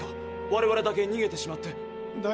我々だけにげてしまって。